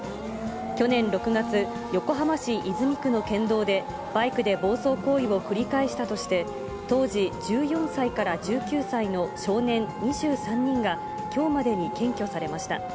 去年６月、横浜市泉区の県道で、バイクで暴走行為を繰り返したとして、当時１４歳から１９歳の少年２３人が、きょうまでに検挙されました。